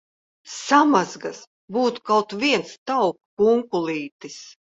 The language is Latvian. Samazgas! Būtu kaut viens tauku kunkulītis!